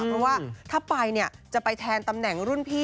เพราะว่าถ้าไปเนี่ยจะไปแทนตำแหน่งรุ่นพี่